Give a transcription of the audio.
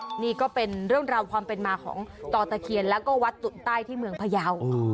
นี่ก็เป็นเรื่องราวความเป็นมาของต่อตะเคียนแล้วก็วัดตุ่นใต้ที่เมืองพยาว